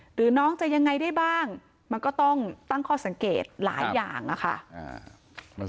หรือน้องจะยังไงได้บ้างมันก็ต้องตั้งข้อสังเกตหลายอย่างอะค่ะ